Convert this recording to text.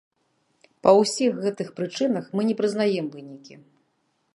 Па ўсіх гэтых прычынах, мы не прызнаем вынікі.